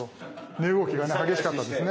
値動きが激しかったですね。